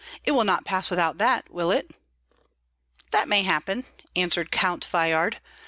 It will not pass without that, will it?" "That may happen," answered Count Veyhard.